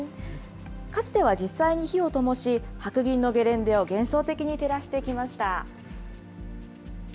かつては実際に火をともし、白銀のゲレンデを幻想的に照らしてきました。